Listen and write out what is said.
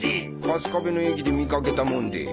春我部の駅で見かけたもんで。